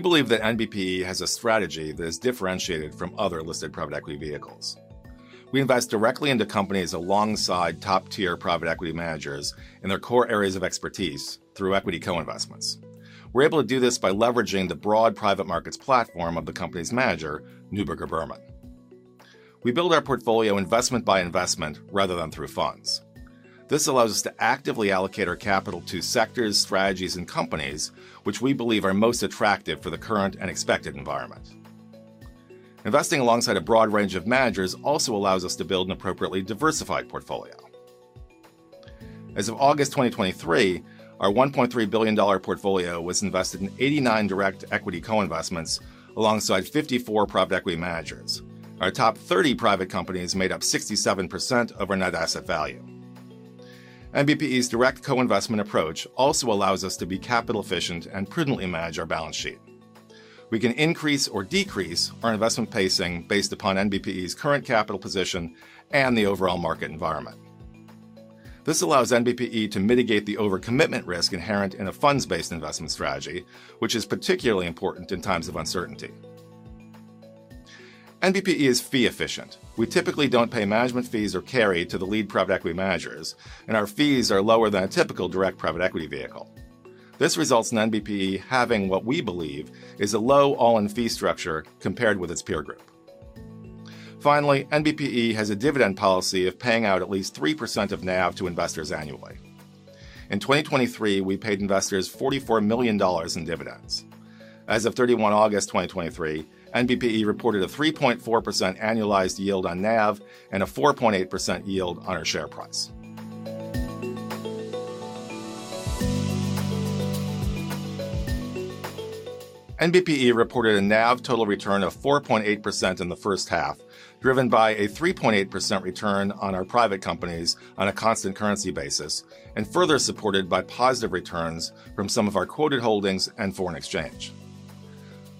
We believe that NBPE has a strategy that is differentiated from other listed private equity vehicles. We invest directly into companies alongside top-tier private equity managers in their core areas of expertise through equity co-investments. We're able to do this by leveraging the broad private markets platform of the company's manager, Neuberger Berman. We build our portfolio investment by investment rather than through funds. This allows us to actively allocate our capital to sectors, strategies, and companies which we believe are most attractive for the current and expected environment. Investing alongside a broad range of managers also allows us to build an appropriately diversified portfolio. As of August 2023, our $1.3 billion portfolio was invested in 89 direct equity co-investments, alongside 54 private equity managers. Our top 30 private companies made up 67% of our net asset value. NBPE's direct co-investment approach also allows us to be capital efficient and prudently manage our balance sheet. We can increase or decrease our investment pacing based upon NBPE's current capital position and the overall market environment. This allows NBPE to mitigate the overcommitment risk inherent in a funds-based investment strategy, which is particularly important in times of uncertainty. NBPE is fee efficient. We typically don't pay management fees or carry to the lead private equity managers, and our fees are lower than a typical direct private equity vehicle. This results in NBPE having what we believe is a low all-in fee structure compared with its peer group. Finally, NBPE has a dividend policy of paying out at least 3% of NAV to investors annually. In 2023, we paid investors $44 million in dividends. As of August 31, 2023, NBPE reported a 3.4% annualized yield on NAV, and a 4.8% yield on our share price. NBPE reported a NAV total return of 4.8% in the first half, driven by a 3.8% return on our private companies on a constant currency basis, and further supported by positive returns from some of our quoted holdings and foreign exchange.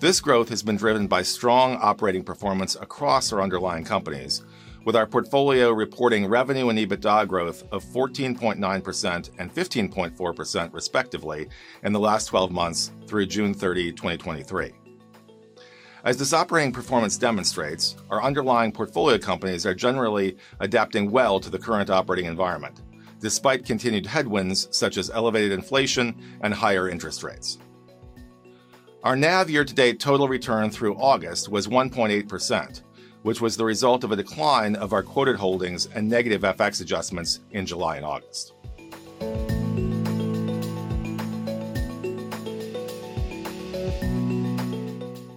This growth has been driven by strong operating performance across our underlying companies, with our portfolio reporting revenue and EBITDA growth of 14.9% and 15.4%, respectively, in the last 12 months through June 30, 2023. As this operating performance demonstrates, our underlying portfolio companies are generally adapting well to the current operating environment, despite continued headwinds such as elevated inflation and higher interest rates. Our NAV year-to-date total return through August was 1.8%, which was the result of a decline of our quoted holdings and negative FX adjustments in July and August.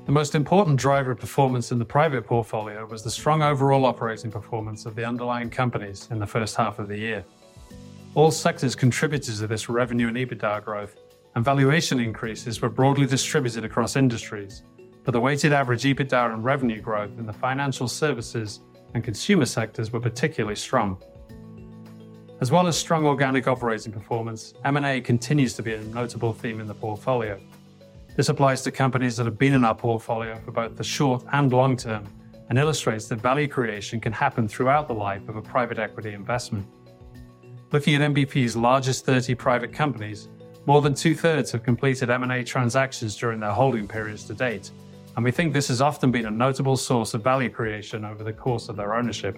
The most important driver of performance in the private portfolio was the strong overall operating performance of the underlying companies in the first half of the year. All sectors contributed to this revenue and EBITDA growth, and valuation increases were broadly distributed across industries. But the weighted average EBITDA and revenue growth in the financial services and consumer sectors were particularly strong. As well as strong organic operating performance, M&A continues to be a notable theme in the portfolio. This applies to companies that have been in our portfolio for both the short and long term, and illustrates that value creation can happen throughout the life of a private equity investment. Looking at NBPE's largest 30 private companies, more than two-thirds have completed M&A transactions during their holding periods to date, and we think this has often been a notable source of value creation over the course of their ownership.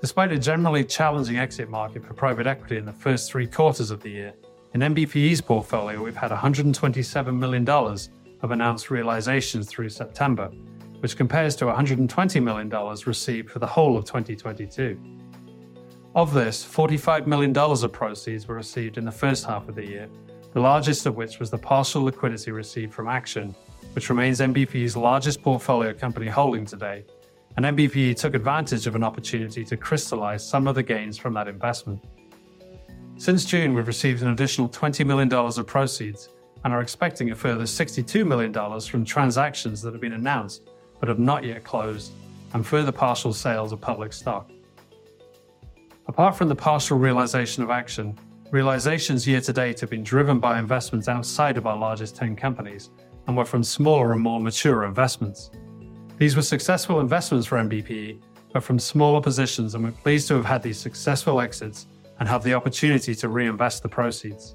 Despite a generally challenging exit market for private equity in the first three quarters of the year, in NBPE's portfolio, we've had $127 million of announced realizations through September, which compares to $120 million received for the whole of 2022. Of this, $45 million of proceeds were received in the first half of the year, the largest of which was the partial liquidity received from Action, which remains NBPE's largest portfolio company holding today, and NBPE took advantage of an opportunity to crystallize some of the gains from that investment. Since June, we've received an additional $20 million of proceeds, and are expecting a further $62 million from transactions that have been announced but have not yet closed, and further partial sales of public stock. Apart from the partial realization of Action, realizations year-to-date have been driven by investments outside of our largest 10 companies and were from smaller and more mature investments. These were successful investments for NBPE, but from smaller positions, and we're pleased to have had these successful exits and have the opportunity to reinvest the proceeds.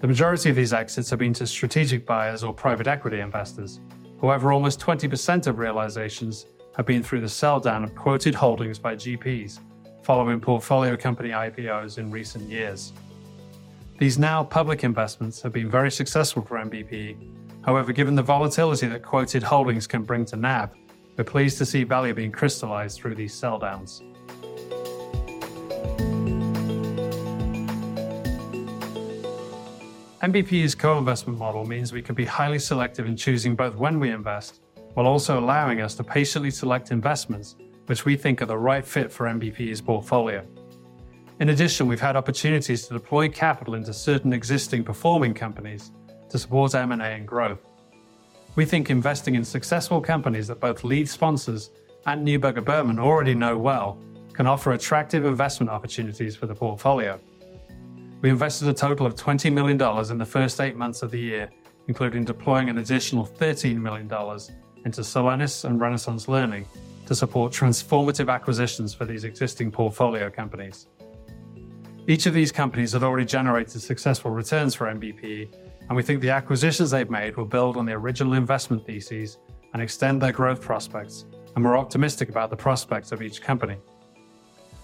The majority of these exits have been to strategic buyers or private equity investors. However, almost 20% of realizations have been through the sell-down of quoted holdings by GPs following portfolio company IPOs in recent years. These now public investments have been very successful for NBPE. However, given the volatility that quoted holdings can bring to NAV, we're pleased to see value being crystallized through these sell-downs. NBPE's co-investment model means we can be highly selective in choosing both when we invest, while also allowing us to patiently select investments which we think are the right fit for NBPE's portfolio. In addition, we've had opportunities to deploy capital into certain existing performing companies to support M&A and growth. We think investing in successful companies that both lead sponsors and Neuberger Berman already know well, can offer attractive investment opportunities for the portfolio.... We invested a total of $20 million in the first eight months of the year, including deploying an additional $13 million into Solenis and Renaissance Learning to support transformative acquisitions for these existing portfolio companies. Each of these companies have already generated successful returns for NBPE, and we think the acquisitions they've made will build on the original investment thesis and extend their growth prospects, and we're optimistic about the prospects of each company.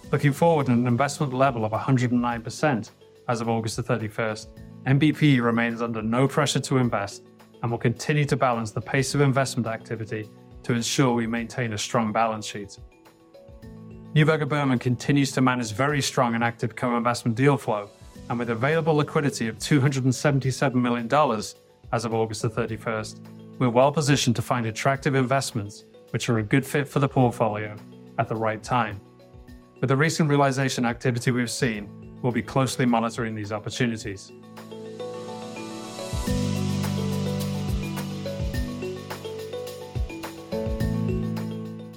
Looking forward, at an investment level of 109% as of August 31st, NBPE remains under no pressure to invest, and will continue to balance the pace of investment activity to ensure we maintain a strong balance sheet. Neuberger Berman continues to manage very strong and active co-investment deal flow, and with available liquidity of $277 million as of August 31st, we're well positioned to find attractive investments which are a good fit for the portfolio at the right time. With the recent realization activity we've seen, we'll be closely monitoring these opportunities.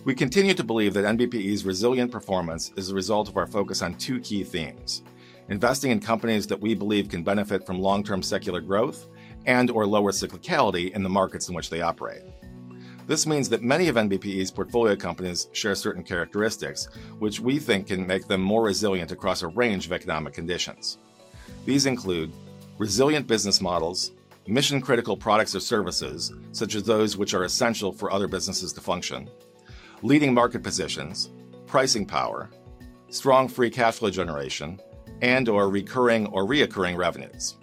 We continue to believe that NBPE's resilient performance is a result of our focus on two key themes: investing in companies that we believe can benefit from long-term secular growth, and/or lower cyclicality in the markets in which they operate. This means that many of NBPE's portfolio companies share certain characteristics, which we think can make them more resilient across a range of economic conditions. These include resilient business models, mission-critical products or services, such as those which are essential for other businesses to function, leading market positions, pricing power, strong free cash flow generation, and/or recurring or reoccurring revenues.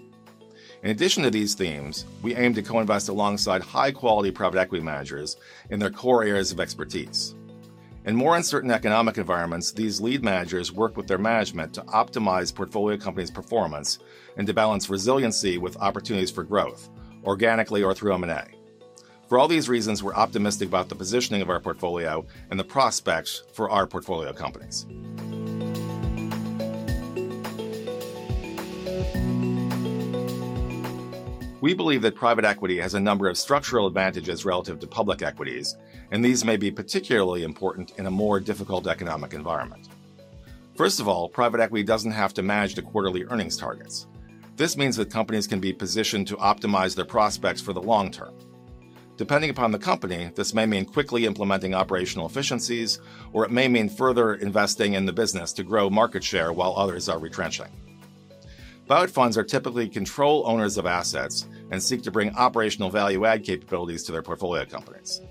In addition to these themes, we aim to co-invest alongside high-quality private equity managers in their core areas of expertise. In more uncertain economic environments, these lead managers work with their management to optimize portfolio companies' performance and to balance resiliency with opportunities for growth, organically or through M&A. For all these reasons, we're optimistic about the positioning of our portfolio and the prospects for our portfolio companies. We believe that private equity has a number of structural advantages relative to public equities, and these may be particularly important in a more difficult economic environment. First of all, private equity doesn't have to manage the quarterly earnings targets. This means that companies can be positioned to optimize their prospects for the long term. Depending upon the company, this may mean quickly implementing operational efficiencies, or it may mean further investing in the business to grow market share while others are retrenching. Buyout funds are typically control owners of assets and seek to bring operational value-add capabilities to their portfolio companies.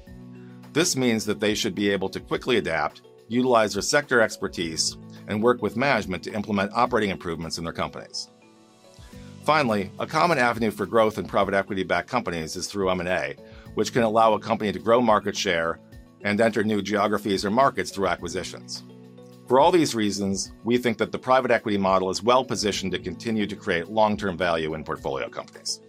This means that they should be able to quickly adapt, utilize their sector expertise, and work with management to implement operating improvements in their companies. Finally, a common avenue for growth in private equity-backed companies is through M&A, which can allow a company to grow market share and enter new geographies or markets through acquisitions. For all these reasons, we think that the private equity model is well positioned to continue to create long-term value in portfolio companies.